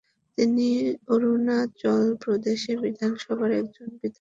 তিনি অরুণাচল প্রদেশ বিধানসভার একজন বিধায়ক ছিলেন।